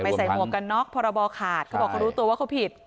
ไม่ใส่หัวพะน๊อคพอระบาคาดเขาบอกเขารู้ตัวว่าเขาผิด